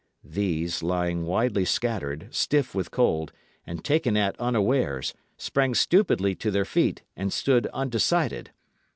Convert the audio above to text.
These, lying widely scattered, stiff with cold, and taken at unawares, sprang stupidly to their feet, and stood undecided.